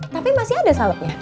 tapi masih ada salepnya